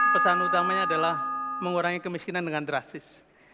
pesan utamanya adalah mengurangi kemiskinan dengan drastis